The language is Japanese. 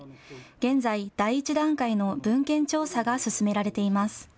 現在、第１段階の文献調査が進められています。